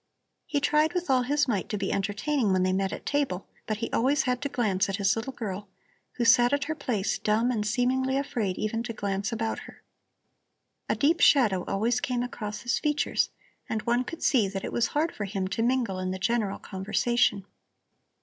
He tried with all his might to be entertaining when they met at table; but he always had to glance at his little girl, who sat at her place dumb and seemingly afraid even to glance about her. A deep shadow always came across his features, and one could see that it was hard for him to mingle in the general conversation.